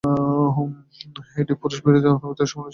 এটি পুরুষ বিরোধী অনুভূতির জন্য সমালোচিত হয়েছে।